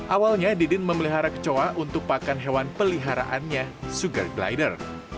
awalnya didin memelihara kecoa untuk pakan hewan peliharaannya sugar glider